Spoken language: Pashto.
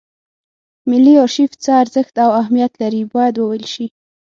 ملي ارشیف څه ارزښت او اهمیت لري باید وویل شي.